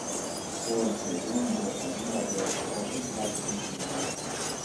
Sorge lungo la riva destra del Bacchiglione.